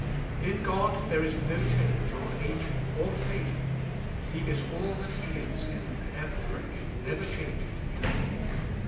In God there is no change, or ageing, or fading ; He is all that He is in an ever fresh, never changing, youth.